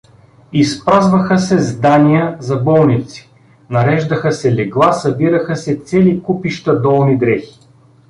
Изпразваха се здания за болници, нареждаха се легла, събираха се цели купища долни дрехи.